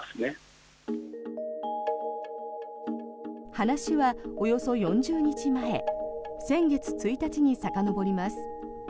話はおよそ４０日前先月１日にさかのぼります。